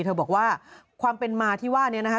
เธอบอกว่าความเป็นมาที่ว่านี้นะคะ